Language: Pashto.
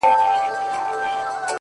• په یوه غوجل کي دواړه اوسېدله ,